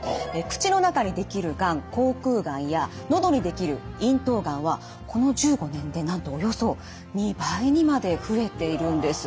口の中にできるがん口腔がんや喉にできる咽頭がんはこの１５年でなんとおよそ２倍にまで増えているんです。